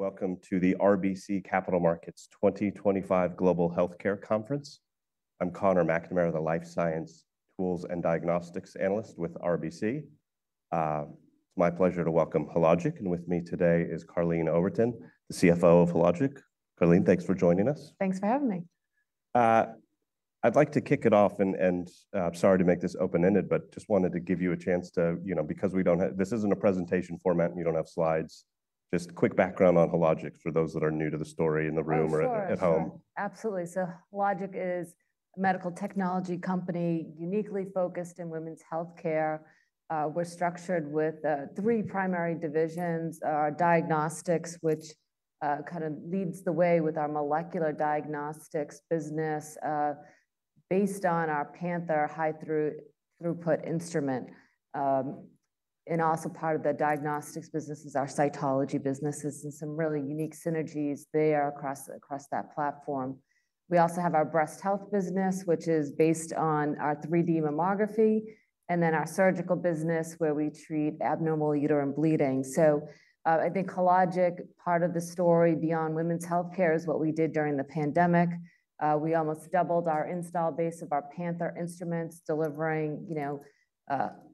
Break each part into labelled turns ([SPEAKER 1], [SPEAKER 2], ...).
[SPEAKER 1] Welcome to the RBC Capital Markets 2025 Global Healthcare conference. I'm Conor McNamara, the Life Science Tools and Diagnostics Analyst with RBC. It's my pleasure to welcome Hologic, and with me today is Karleen Oberton, the CFO of Hologic. Karleen, thanks for joining us.
[SPEAKER 2] Thanks for having me.
[SPEAKER 1] I'd like to kick it off, and I'm sorry to make this open-ended, but just wanted to give you a chance to, you know, because we don't have—this isn't a presentation format, and you don't have slides. Just quick background on Hologic for those that are new to the story in the room or at home.
[SPEAKER 2] Absolutely. Hologic is a medical technology company uniquely focused in women's healthcare. We're structured with three primary divisions: our diagnostics, which kind of leads the way with our molecular diagnostics business based on our Panther high-throughput instrument. Also part of the diagnostics business is our cytology business. There are some really unique synergies there across that platform. We also have our breast health business, which is based on our 3D mammography, and then our surgical business, where we treat abnormal uterine bleeding. I think Hologic, part of the story beyond women's healthcare is what we did during the pandemic. We almost doubled our install base of our Panther instruments, delivering, you know,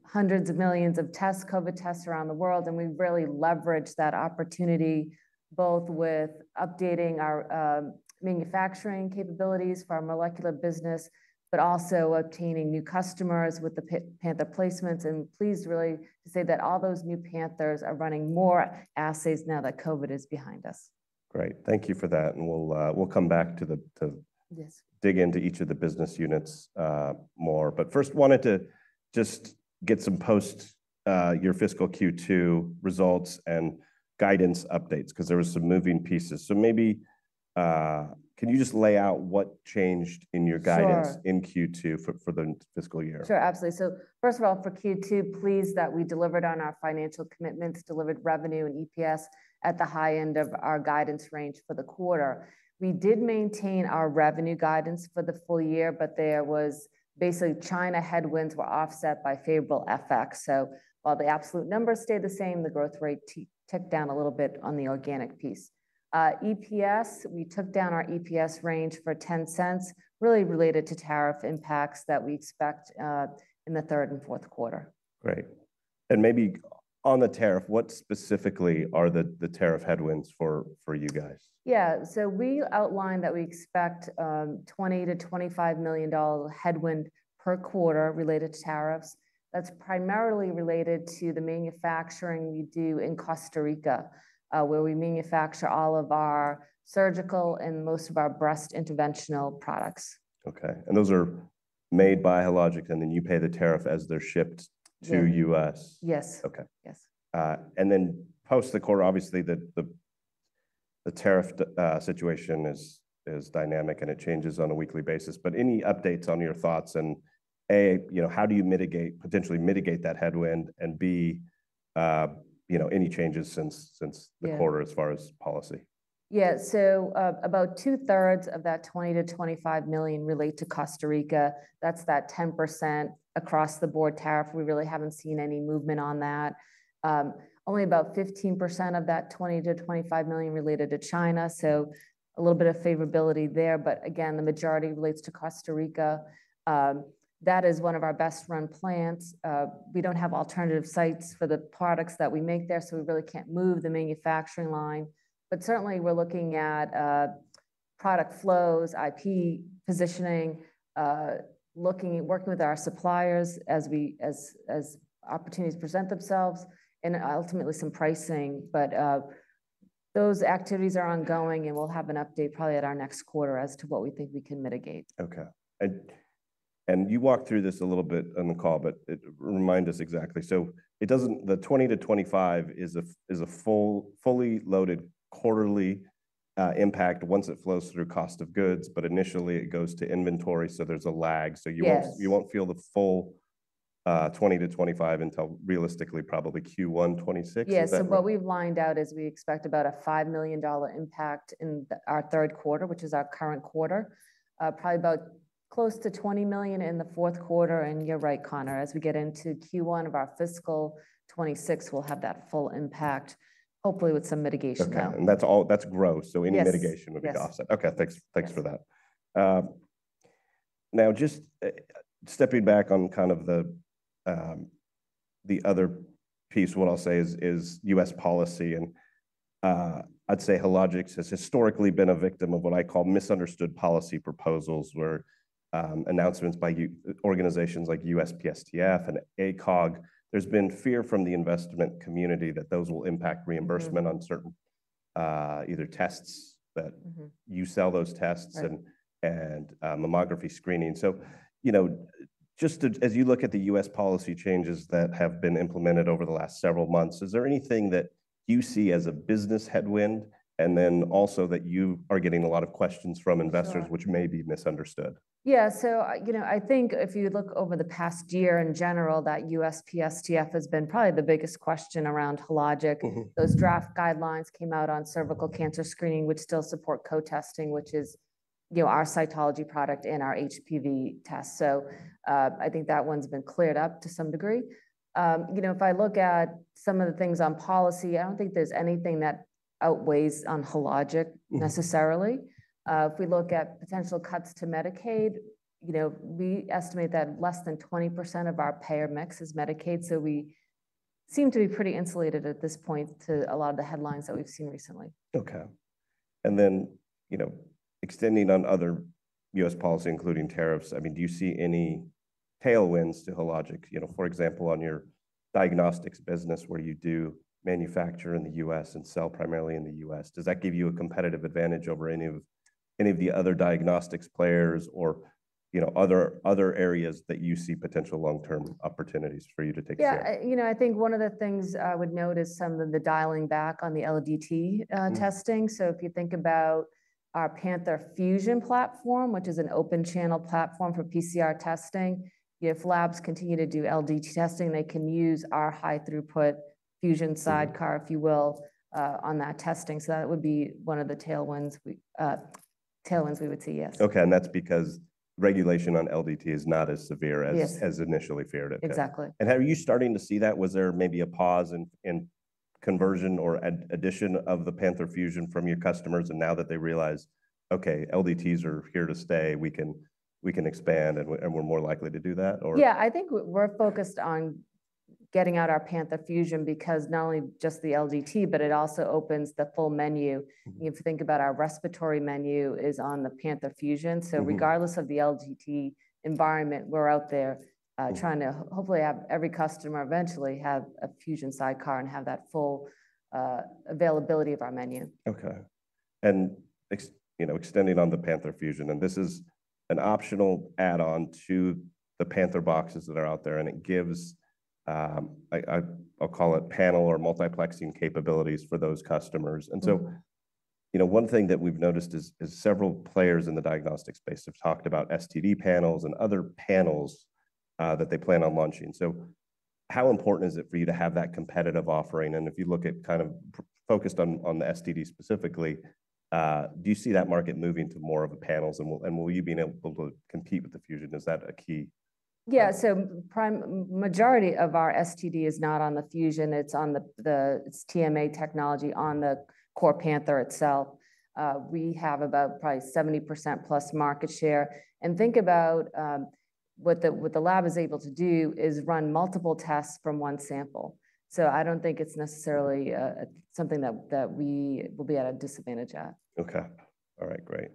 [SPEAKER 2] hundreds of millions of COVID tests around the world. We really leveraged that opportunity both with updating our manufacturing capabilities for our molecular business, but also obtaining new customers with the Panther placements. Please really say that all those new Panthers are running more assays now that COVID is behind us.
[SPEAKER 1] Great. Thank you for that. We'll come back to dig into each of the business units more. First, wanted to just get some post your fiscal Q2 results and guidance updates because there were some moving pieces. Maybe can you just lay out what changed in your guidance in Q2 for the fiscal year?
[SPEAKER 2] Sure, absolutely. First of all, for Q2, pleased that we delivered on our financial commitments, delivered revenue and EPS at the high end of our guidance range for the quarter. We did maintain our revenue guidance for the full year, but there was basically China headwinds were offset by favorable effects. While the absolute numbers stayed the same, the growth rate ticked down a little bit on the organic piece. EPS, we took down our EPS range for $0.10, really related to tariff impacts that we expect in the third and fourth quarter.
[SPEAKER 1] Great. Maybe on the tariff, what specifically are the tariff headwinds for you guys?
[SPEAKER 2] Yeah, so we outlined that we expect $20 million-$25 million headwind per quarter related to tariffs. That's primarily related to the manufacturing we do in Costa Rica, where we manufacture all of our surgical and most of our breast interventional products.
[SPEAKER 1] Okay. Those are made by Hologic, and then you pay the tariff as they're shipped to the U.S.?
[SPEAKER 2] Yes.
[SPEAKER 1] Okay. And then post the quarter, obviously, the tariff situation is dynamic, and it changes on a weekly basis. Any updates on your thoughts, and, A, you know, how do you potentially mitigate that headwind? And B, you know, any changes since the quarter as far as policy?
[SPEAKER 2] Yeah, so about two-thirds of that $20-$25 million relate to Costa Rica. That's that 10% across-the-board tariff. We really haven't seen any movement on that. Only about 15% of that $20-$25 million related to China. A little bit of favorability there. Again, the majority relates to Costa Rica. That is one of our best-run plants. We don't have alternative sites for the products that we make there, so we really can't move the manufacturing line. Certainly, we're looking at product flows, IP positioning, looking at working with our suppliers as opportunities present themselves, and ultimately, some pricing. Those activities are ongoing, and we'll have an update probably at our next quarter as to what we think we can mitigate.
[SPEAKER 1] Okay. You walked through this a little bit on the call, but remind us exactly. It does not—the $20-$25 is a fully loaded quarterly impact once it flows through cost of goods, but initially it goes to inventory, so there is a lag. You will not feel the full $20-$25 until, realistically, probably Q1 2026.
[SPEAKER 2] Yeah, so what we've lined out is we expect about a $5 million impact in our third quarter, which is our current quarter, probably about close to $20 million in the fourth quarter. You're right, Conor, as we get into Q1 of our fiscal 2026, we'll have that full impact, hopefully with some mitigation there.
[SPEAKER 1] Okay. That's gross. Any mitigation would be offset.
[SPEAKER 2] Yeah.
[SPEAKER 1] Okay. Thanks for that. Now, just stepping back on kind of the other piece, what I'll say is U.S. policy. I'd say Hologic has historically been a victim of what I call misunderstood policy proposals, where announcements by organizations like USPSTF and ACOG, there's been fear from the investment community that those will impact reimbursement on certain either tests that you sell, those tests, and mammography screening. You know, just as you look at the U.S. policy changes that have been implemented over the last several months, is there anything that you see as a business headwind, and then also that you are getting a lot of questions from investors, which may be misunderstood?
[SPEAKER 2] Yeah. So, you know, I think if you look over the past year in general, that USPSTF has been probably the biggest question around Hologic. Those draft guidelines came out on cervical cancer screening, which still support co-testing, which is, you know, our cytology product and our HPV test. I think that one's been cleared up to some degree. You know, if I look at some of the things on policy, I do not think there's anything that outweighs on Hologic necessarily. If we look at potential cuts to Medicaid, you know, we estimate that less than 20% of our payer mix is Medicaid. We seem to be pretty insulated at this point to a lot of the headlines that we've seen recently.
[SPEAKER 1] Okay. And then, you know, extending on other U.S. policy, including tariffs, I mean, do you see any tailwinds to Hologic? You know, for example, on your diagnostics business where you do manufacture in the U.S. and sell primarily in the U.S., does that give you a competitive advantage over any of the other diagnostics players or, you know, other areas that you see potential long-term opportunities for you to take a step?
[SPEAKER 2] Yeah. You know, I think one of the things I would note is some of the dialing back on the LDT testing. If you think about our Panther Fusion platform, which is an open-channel platform for PCR testing, if labs continue to do LDT testing, they can use our high-throughput Fusion sidecar, if you will, on that testing. That would be one of the tailwinds we would see, yes.
[SPEAKER 1] Okay. That is because regulation on LDT is not as severe as initially feared.
[SPEAKER 2] Exactly.
[SPEAKER 1] Are you starting to see that? Was there maybe a pause in conversion or addition of the Panther Fusion from your customers, and now that they realize, okay, LDTs are here to stay, we can expand, and we're more likely to do that?
[SPEAKER 2] Yeah, I think we're focused on getting out our Panther Fusion because not only just the LDT, but it also opens the full menu. If you think about our respiratory menu is on the Panther Fusion. Regardless of the LDT environment, we're out there trying to hopefully have every customer eventually have a Fusion sidecar and have that full availability of our menu.
[SPEAKER 1] Okay. And, you know, extending on the Panther Fusion, and this is an optional add-on to the Panther boxes that are out there, and it gives, I'll call it, panel or multiplexing capabilities for those customers. And so, you know, one thing that we've noticed is several players in the diagnostics space have talked about STD panels and other panels that they plan on launching. How important is it for you to have that competitive offering? If you look at kind of focused on the STD specifically, do you see that market moving to more of the panels, and will you be able to compete with the Fusion? Is that a key?
[SPEAKER 2] Yeah. The majority of our STD is not on the Fusion. It's on the TMA technology on the core Panther itself. We have about probably 70% plus market share. Think about what the lab is able to do is run multiple tests from one sample. I don't think it's necessarily something that we will be at a disadvantage at.
[SPEAKER 1] Okay. All right. Great.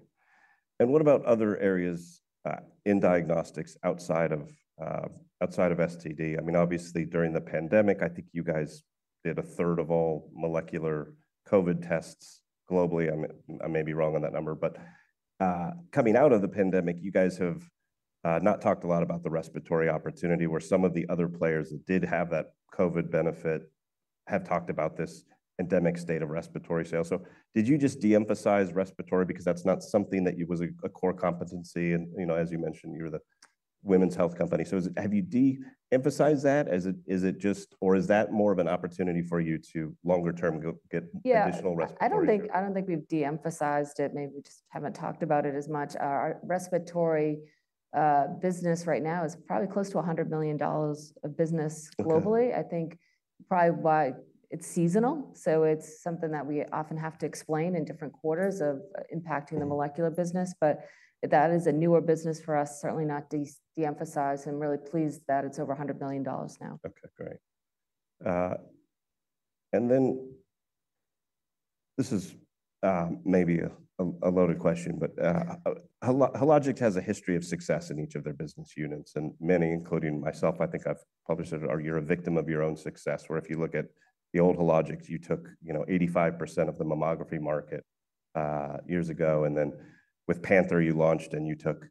[SPEAKER 1] What about other areas in diagnostics outside of STD? I mean, obviously, during the pandemic, I think you guys did a third of all molecular COVID tests globally. I may be wrong on that number. Coming out of the pandemic, you guys have not talked a lot about the respiratory opportunity, where some of the other players that did have that COVID benefit have talked about this endemic state of respiratory sales. Did you just de-emphasize respiratory because that's not something that was a core competency? You know, as you mentioned, you're the women's health company. Have you de-emphasized that? Is it just, or is that more of an opportunity for you to longer term get additional respiratory?
[SPEAKER 2] Yeah. I do not think we have de-emphasized it. Maybe we just have not talked about it as much. Our respiratory business right now is probably close to $100 million of business globally. I think probably why it is seasonal. It is something that we often have to explain in different quarters of impacting the molecular business. That is a newer business for us, certainly not to de-emphasize. I am really pleased that it is over $100 million now.
[SPEAKER 1] Okay. Great. And then this is maybe a loaded question, but Hologic has a history of success in each of their business units. And many, including myself, I think I've published it, are you a victim of your own success, where if you look at the old Hologic, you took, you know, 85% of the mammography market years ago. And then with Panther, you launched and you took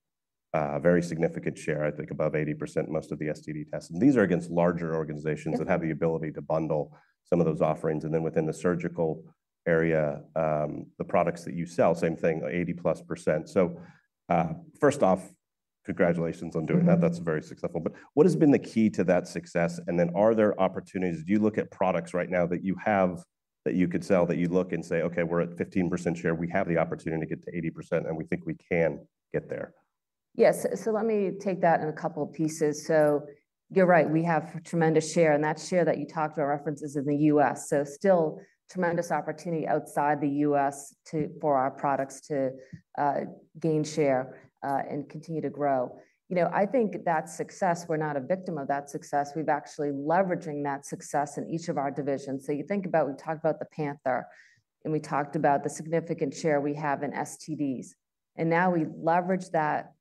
[SPEAKER 1] a very significant share, I think above 80%, most of the STD tests. And these are against larger organizations that have the ability to bundle some of those offerings. And then within the surgical area, the products that you sell, same thing, 80+%. So first off, congratulations on doing that. That's very successful. But what has been the key to that success? And then are there opportunities? Do you look at products right now that you have that you could sell that you look, and say, okay, we're at 15% share, we have the opportunity to get to 80% and we think we can get there?
[SPEAKER 2] Yes. Let me take that in a couple of pieces. You're right, we have tremendous share. That share that you talked about references is in the U.S. Still tremendous opportunity outside the U.S. for our products to gain share and continue to grow. I think that success, we're not a victim of that success. We've actually leveraging that success in each of our divisions. You think about, we talked about the Panther, and we talked about the significant share we have in STDs. Now we leverage that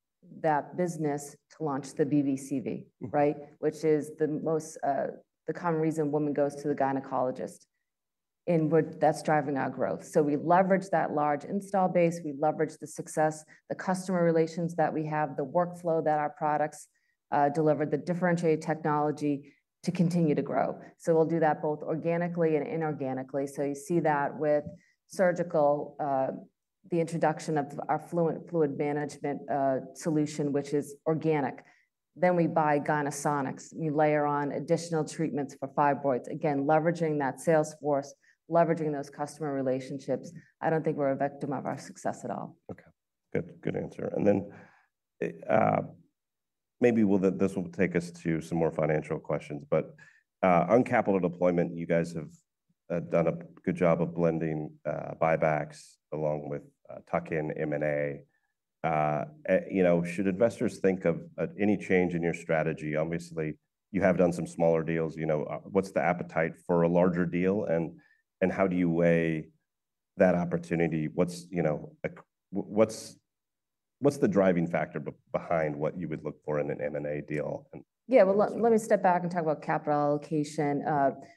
[SPEAKER 2] business to launch the BVCV, right? Which is the most common reason women go to the gynecologist. That's driving our growth. We leverage that large install base. We leverage the success, the customer relations that we have, the workflow that our products deliver, the differentiated technology to continue to grow. We'll do that both organically and inorganically. You see that with surgical, the introduction of our Fluid Management Solution, which is organic. Then we buy Gynosonics. We layer on additional treatments for fibroids. Again, leveraging that sales force, leveraging those customer relationships. I don't think we're a victim of our success at all.
[SPEAKER 1] Okay. Good answer. Maybe this will take us to some more financial questions, but on capital deployment, you guys have done a good job of blending buybacks along with tuck-in M&A. You know, should investors think of any change in your strategy? Obviously, you have done some smaller deals. You know, what's the appetite for a larger deal? How do you weigh that opportunity? What's the driving factor behind what you would look for in an M&A deal?
[SPEAKER 2] Yeah. Let me step back and talk about capital allocation.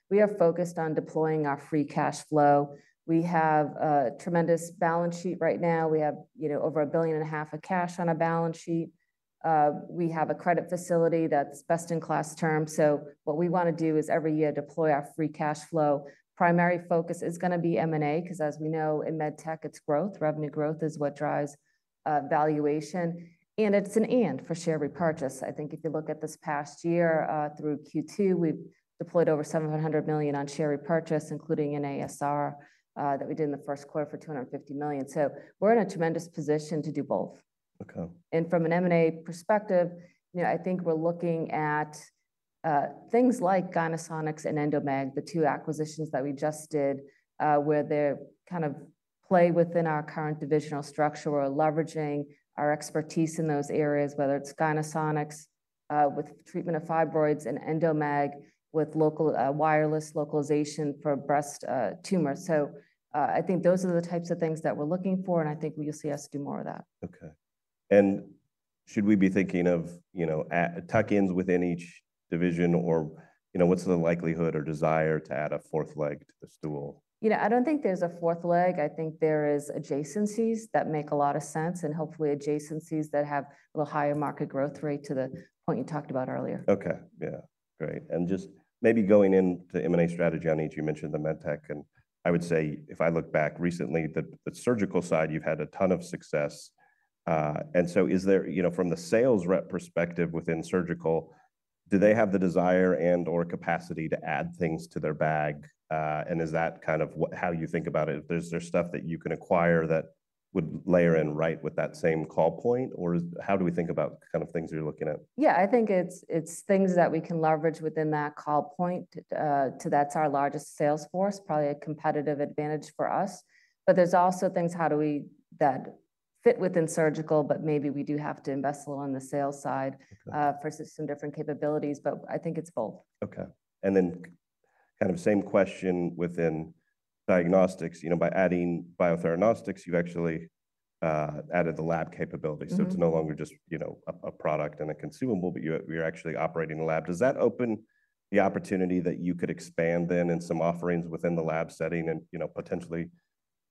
[SPEAKER 2] We are focused on deploying our free cash flow. We have a tremendous balance sheet right now. We have, you know, over $1.5 billion of cash on a balance sheet. We have a credit facility that's best in class term. What we want to do is every year deploy our free cash flow. Primary focus is going to be M&A because, as we know in med tech, it's growth. Revenue growth is what drives valuation. It's an and for share repurchase. I think if you look at this past year through Q2, we've deployed over $700 million on share repurchase, including an ASR that we did in the first quarter for $250 million. We're in a tremendous position to do both.
[SPEAKER 1] Okay.
[SPEAKER 2] From an M&A perspective, you know, I think we're looking at things like Gynosonics and Endomag, the two acquisitions that we just did, where they kind of play within our current divisional structure. We're leveraging our expertise in those areas, whether it's Gynosonics with treatment of fibroids and Endomag with local wireless localization for breast tumors. I think those are the types of things that we're looking for. I think we'll see us do more of that.
[SPEAKER 1] Okay. And should we be thinking of, you know, tuck-ins within each division or, you know, what's the likelihood or desire to add a fourth leg to the stool?
[SPEAKER 2] You know, I don't think there's a fourth leg. I think there are adjacencies that make a lot of sense, and hopefully, adjacencies that have a little higher market growth rate to the point you talked about earlier.
[SPEAKER 1] Okay. Yeah. Great. Just maybe going into M&A strategy on each, you mentioned the med tech. I would say if I look back recently, the surgical side, you've had a ton of success. Is there, you know, from the sales rep perspective within surgical, do they have the desire and/or capacity to add things to their bag? Is that kind of how you think about it? Is there stuff that you can acquire that would layer in right with that same call point? How do we think about kind of things you're looking at?
[SPEAKER 2] Yeah, I think it's things that we can leverage within that call point. That's our largest sales force, probably a competitive advantage for us. There's also things, how do we that fit within surgical, but maybe we do have to invest a little on the sales side for some different capabilities, but I think it's both.
[SPEAKER 1] Okay. And then kind of same question within diagnostics, you know, by adding Biotheranostics, you've actually added the lab capability. So it's no longer just, you know, a product and a consumable, but you're actually operating a lab. Does that open the opportunity that you could expand then in some offerings within the lab setting, and, you know, potentially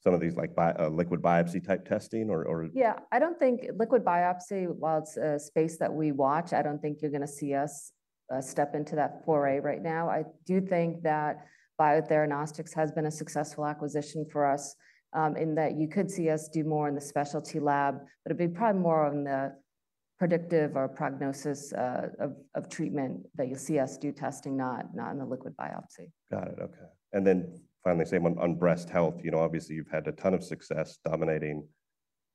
[SPEAKER 1] some of these like liquid biopsy type testing or?
[SPEAKER 2] Yeah. I don't think liquid biopsy, while it's a space that we watch, I don't think you're going to see us step into that foray right now. I do think that Biotheranostics has been a successful acquisition for us in that you could see us do more in the specialty lab, but it'd be probably more on the predictive or prognosis of treatment that you'll see us do testing, not in the liquid biopsy.
[SPEAKER 1] Got it. Okay. And then finally, same on breast health, you know, obviously you've had a ton of success dominating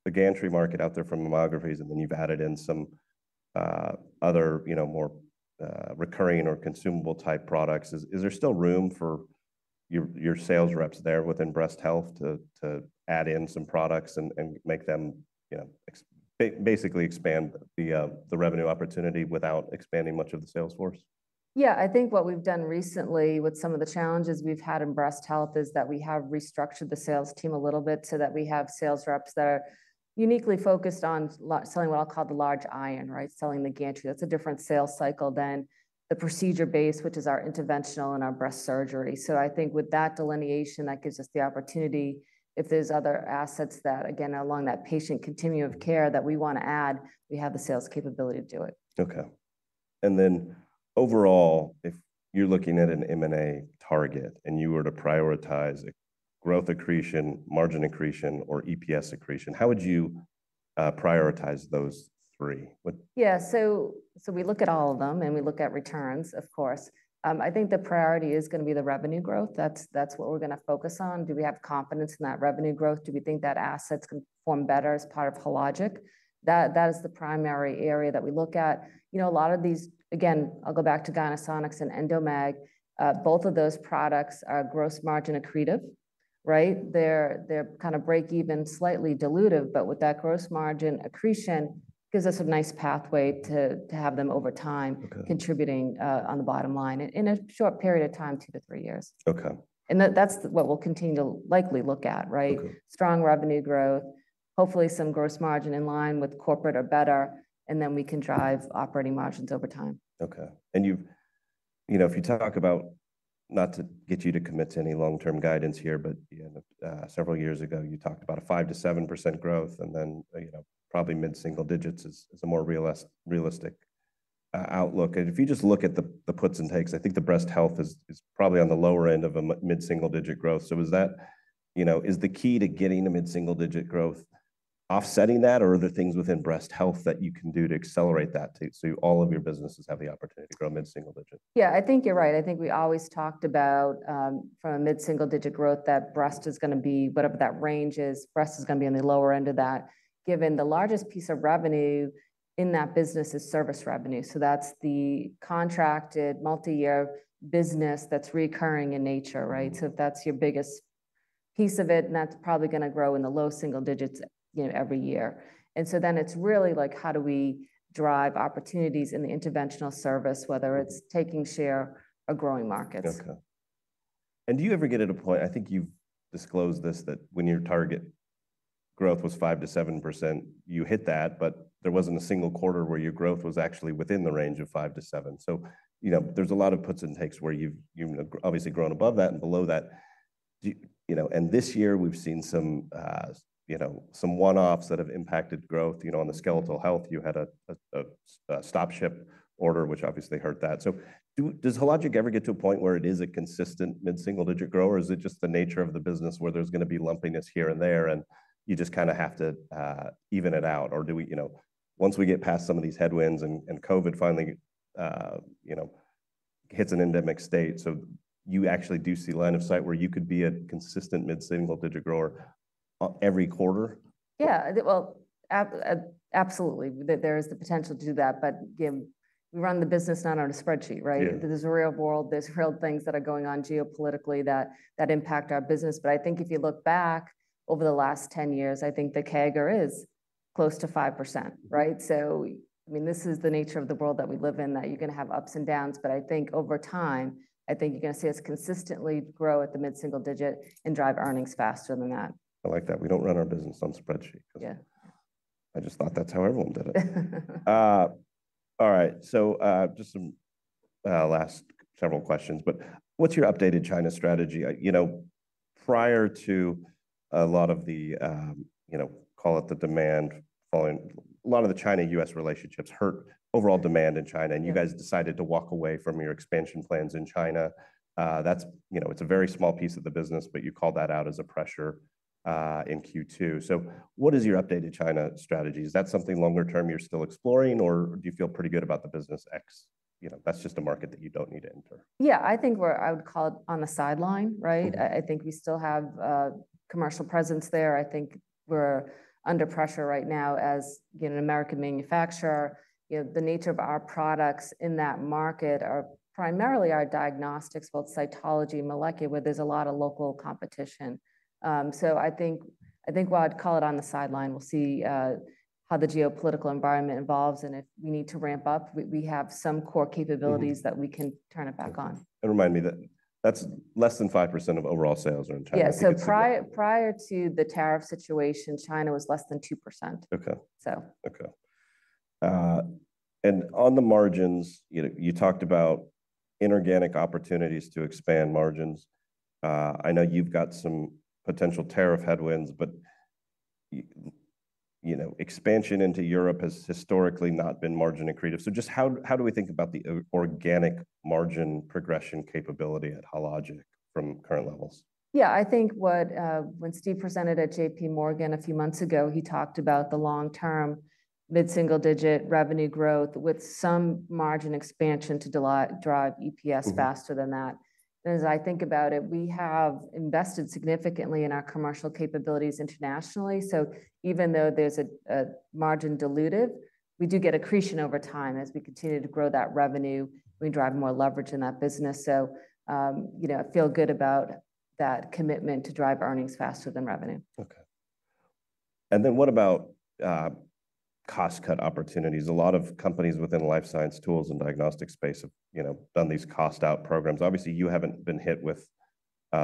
[SPEAKER 1] the gantry market out there for mammographies, and then you've added in some other, you know, more recurring or consumable type products. Is there still room for your sales reps there within breast health to add in some products and make them, you know, basically expand the revenue opportunity without expanding much of the sales force?
[SPEAKER 2] Yeah. I think what we've done recently with some of the challenges we've had in breast health is that we have restructured the sales team a little bit so that we have sales reps that are uniquely focused on selling what I'll call the large iron, right? Selling the gantry. That's a different sales cycle than the procedure-based, which is our interventional and our breast surgery. I think with that delineation, that gives us the opportunity if there's other assets that, again, along that patient continuum of care that we want to add, we have the sales capability to do it.
[SPEAKER 1] Okay. If you're looking at an M&A target and you were to prioritize growth accretion, margin accretion, or EPS accretion, how would you prioritize those three?
[SPEAKER 2] Yeah. So we look at all of them and we look at returns, of course. I think the priority is going to be the revenue growth. That's what we're going to focus on. Do we have confidence in that revenue growth? Do we think that assets can perform better as part of Hologic? That is the primary area that we look at. You know, a lot of these, again, I'll go back to Gynosonics and Endomag. Both of those products are gross margin accretive, right? They're kind of break-even, slightly dilutive, but with that gross margin accretion, it gives us a nice pathway to have them over time contributing on the bottom line in a short period of time, two to three years.
[SPEAKER 1] Okay.
[SPEAKER 2] That's what we'll continue to likely look at, right? Strong revenue growth, hopefully some gross margin in line with corporate or better, and then we can drive operating margins over time.
[SPEAKER 1] Okay. And you've, you know, if you talk about not to get you to commit to any long-term guidance here, but several years ago, you talked about a 5%-7% growth, and then, you know, probably mid-single digits is a more realistic outlook. If you just look at the puts and takes, I think the breast health is probably on the lower end of a mid-single-digit growth. Is that, you know, is the key to getting a mid-single digit growth, offsetting that, or are there things within breast health that you can do to accelerate that too? All of your businesses have the opportunity to grow mid-single digit?
[SPEAKER 2] Yeah, I think you're right. I think we always talked about from a mid-single-digit growth that breast is going to be, whatever that range is, breast is going to be on the lower end of that, given the largest piece of revenue in that business is service revenue. That is the contracted multi-year business that is recurring in nature, right? If that is your biggest piece of it, that is probably going to grow in the low single digits every year. It is really like, how do we drive opportunities in the interventional service, whether it is taking share or growing markets?
[SPEAKER 1] Okay. And do you ever get at a point, I think you've disclosed this, that when your target growth was 5%-7%, you hit that, but there wasn't a single quarter where your growth was actually within the range of 5%-7%. You know, there's a lot of puts and takes where you've obviously grown above that and below that. You know, and this year we've seen some, you know, some one-offs that have impacted growth, you know, on the skeletal health. You had a stop ship order, which obviously hurt that. Does Hologic ever get to a point where it is a consistent mid-single-digit grower, or is it just the nature of the business where there's going to be lumpiness here and there, and you just kind of have to even it out? Or do we, you know, once we get past some of these headwinds and COVID finally, you know, hits an endemic state, you actually do see line of sight where you could be a consistent mid-single digit grower every quarter?
[SPEAKER 2] Yeah. Absolutely. There is the potential to do that, but we run the business not on a spreadsheet, right? There is a real world, there are real things that are going on geopolitically that impact our business. I think if you look back over the last 10 years, I think the CAGR is close to 5%, right? I mean, this is the nature of the world that we live in, that you are going to have ups and downs. I think over time, I think you are going to see us consistently grow at the mid-single digit and drive earnings faster than that.
[SPEAKER 1] I like that. We don't run our business on spreadsheet. I just thought that's how everyone did it. All right. Just some last several questions, but what's your updated China strategy? You know, prior to a lot of the, you know, call it the demand following, a lot of the China-U.S. relationships hurt overall demand in China, and you guys decided to walk away from your expansion plans in China. That's, you know, it's a very small piece of the business, but you called that out as a pressure in Q2. What is your updated China strategy? Is that something longer term you're still exploring, or do you feel pretty good about the business X? You know, that's just a market that you don't need to enter.
[SPEAKER 2] Yeah, I think we're, I would call it on the sideline, right? I think we still have a commercial presence there. I think we're under pressure right now as, you know, an American manufacturer. You know, the nature of our products in that market are primarily our diagnostics, both cytology and molecular, where there's a lot of local competition. I think while I'd call it on the sideline, we'll see how the geopolitical environment evolves. If we need to ramp up, we have some core capabilities that we can turn back on.
[SPEAKER 1] Remind me that that's less than 5% of overall sales or in tariffs.
[SPEAKER 2] Yeah. Prior to the tariff situation, China was less than 2%.
[SPEAKER 1] Okay.
[SPEAKER 2] So.
[SPEAKER 1] Okay. And on the margins, you know, you talked about inorganic opportunities to expand margins. I know you've got some potential tariff headwinds, but, you know, expansion into Europe has historically not been margin accretive. So just how do we think about the organic margin progression capability at Hologic from current levels?
[SPEAKER 2] Yeah, I think what when Steve presented at JPMorgan a few months ago, he talked about the long-term mid-single digit revenue growth with some margin expansion to drive EPS faster than that. As I think about it, we have invested significantly in our commercial capabilities internationally. Even though there is a margin dilutive, we do get accretion over time as we continue to grow that revenue. We drive more leverage in that business. You know, I feel good about that commitment to drive earnings faster than revenue.
[SPEAKER 1] Okay. And then what about cost-cut opportunities? A lot of companies within life science tools and diagnostic space have, you know, done these cost-out programs. Obviously, you haven't been hit with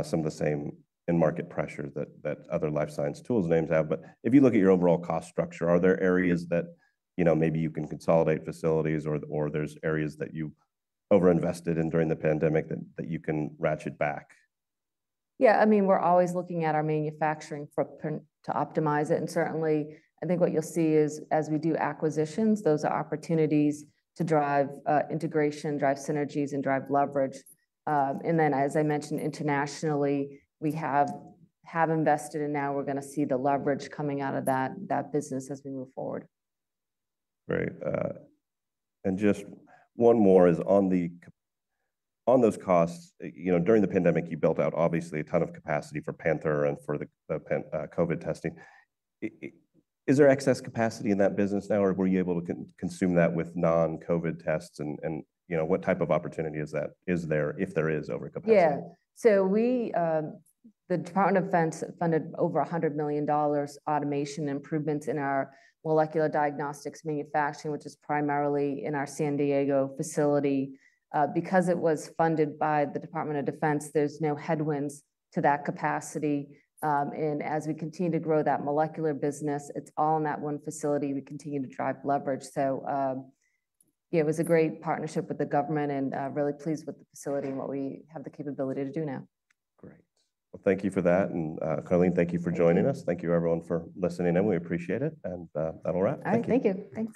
[SPEAKER 1] some of the same in-market pressure that other life science tools names have. If you look at your overall cost structure, are there areas that, you know, maybe you can consolidate facilities, or there's areas that you over-invested in during the pandemic that you can ratchet back?
[SPEAKER 2] Yeah. I mean, we're always looking at our manufacturing footprint to optimize it. Certainly, I think what you'll see is as we do acquisitions, those are opportunities to drive integration, drive synergies, and drive leverage. As I mentioned, internationally, we have invested, and now we're going to see the leverage coming out of that business as we move forward.
[SPEAKER 1] Great. Just one more is on those costs, you know, during the pandemic, you built out obviously a ton of capacity for Panther and for the COVID testing. Is there excess capacity in that business now, or were you able to consume that with non-COVID tests? You know, what type of opportunity is that? Is there, if there is, overcapacity?
[SPEAKER 2] Yeah. We, the Department of Defense funded over $100 million automation improvements in our molecular diagnostics manufacturing, which is primarily in our San Diego facility. Because it was funded by the Department of Defense, there's no headwinds to that capacity. As we continue to grow that molecular business, it's all in that one facility. We continue to drive leverage. Yeah, it was a great partnership with the government, and really pleased with the facility and what we have the capability to do now.
[SPEAKER 1] Great. Thank you for that. Karleen, thank you for joining us. Thank you, everyone, for listening. We appreciate it. That will wrap. Thank you.
[SPEAKER 2] Thank you. Thanks.